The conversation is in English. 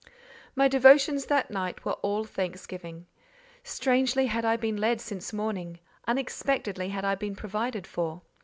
My devotions that night were all thanksgiving. Strangely had I been led since morning—unexpectedly had I been provided for.